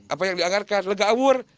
apa yang dianggarkan legawur